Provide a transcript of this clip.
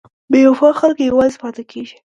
بې وفا خلک یوازې پاتې کېږي.